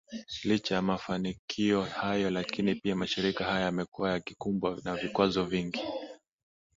licha ya mafanikio hayo lakini pia mashirika haya yamekuwa yakikumbwa na vikwazo vingi